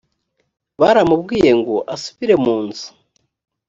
baramubwiye ngo asubire mu nzu